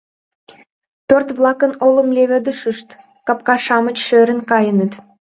Пӧрт-влакын олым леведышышт, капка-шамыч шӧрын каеныт.